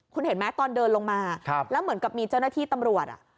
คุณเห็นไหมตอนเดินลงมาแล้วเหมือนกับมีเจ้าหน้าที่ตำรวจ